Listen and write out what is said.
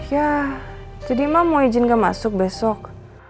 ya jadi ma mau izin gak masuk besok